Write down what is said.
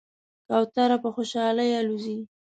کوتره په خوشحالۍ الوزي.